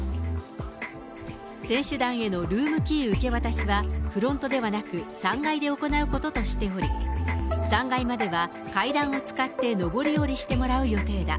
選手団へのルームキー受け渡しは、フロントではなく３階で行うこととしており、３階までは階段を使って上り下りしてもらう予定だ。